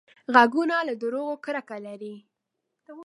غوږونه له دروغو کرکه لري